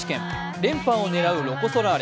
連覇を狙うロコ・ソラーレ。